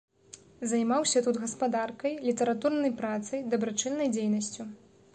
Займаўся тут гаспадаркай, літаратурнай працай, дабрачыннай дзейнасцю.